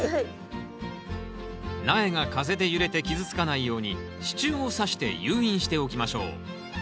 苗が風で揺れて傷つかないように支柱をさして誘引しておきましょう。